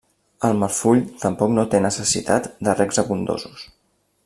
El marfull tampoc no té necessitat de regs abundosos.